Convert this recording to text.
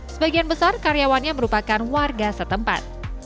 sebagian besar karyawannya merupakan warga setempat